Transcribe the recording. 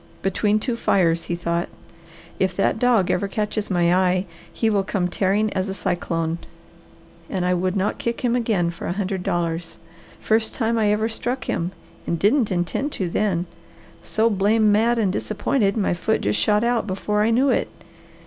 Between two fires, he thought. If that dog ever catches my eye he will come tearing as a cyclone, and I would not kick him again for a hundred dollars. First time I ever struck him, and didn't intend to then. So blame mad and disappointed my foot just shot out before I knew it.